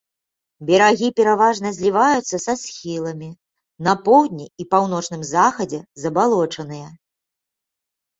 Берагі пераважна зліваюцца са схіламі, на поўдні і паўночным захадзе забалочаныя.